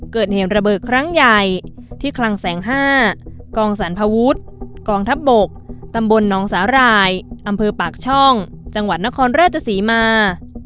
เกิดเหตุระเบิดครั้งใหญ่ที่คลังแสง๕กองสรรพวุฒิกองทัพบกตำบลน้องสาหร่ายอำเภอปากช่องจังหวัดนครราชศรีมา